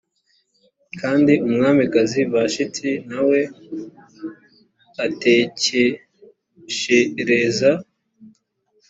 kandi umwamikazi vashiti na we atekeshereza